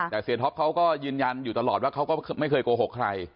แต่เสียท็อปเขาก็ยืนยันอยู่ตลอดว่าเขาก็ไม่เคยโกหกใคร